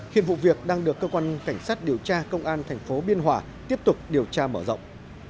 hiện vụ việc đang được cơ quan cảnh sát điều tra công an thành phố biên hòa tiếp tục điều tra mở rộng